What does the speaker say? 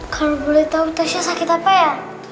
kalau boleh tahu tasya sakit apa ya